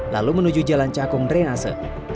lalu menuju jalan cakung drenase